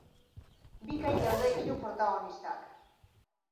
Bikain daude hiru protagonistak.